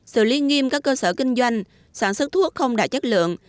xử lý nghiêm các cơ sở kinh doanh sản xuất thuốc không đạt chất lượng